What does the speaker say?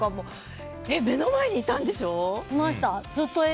目の前にいたんでしょ。